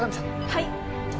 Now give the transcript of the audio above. はい。